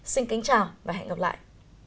xin kính chào và hẹn gặp lại